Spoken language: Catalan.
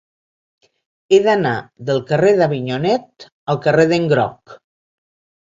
He d'anar del carrer d'Avinyonet al carrer d'en Groc.